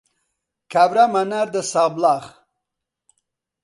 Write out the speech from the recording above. کابرامان ناردە سابڵاغ.